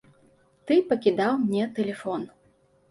Ты пакідаў мне тэлефон.